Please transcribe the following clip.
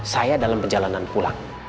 saya dalam perjalanan pulang